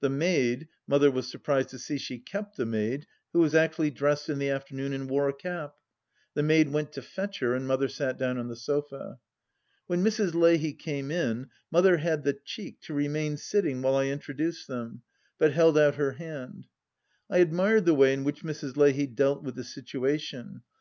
The maid — Mother was surprised to see she kept a maid, who was actually dressed in the afternoon and wore a cap 1 — the maid " went to fetch her," and Mother sat down on the sofa. When Mrs. Leahy came in Mother had the cheek to remain sitting while I introduced them, but held out her hand — I admired the way in which Mrs. Leahy dealt with the situation.